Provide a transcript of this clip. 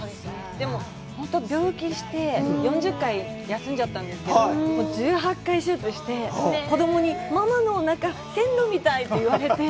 でも本当に病気して４０回休んじゃったんですけど、１８回手術して子供に、ママのおなか線路みたいって言われて。